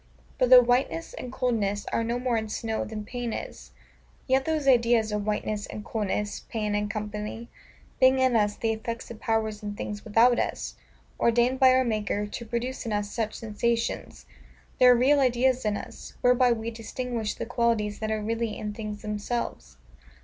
But, though whiteness and coldness are no more in snow than pain is; yet those ideas of whiteness and coldness, pain, &c., being in us the effects of powers in things without us, ordained by our Maker to produce in us such sensations; they are real ideas in us, whereby we distinguish the qualities that are really in things themselves.